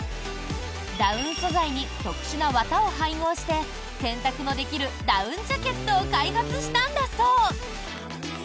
ダウン素材に特殊な綿を配合して洗濯のできるダウンジャケットを開発したんだそう。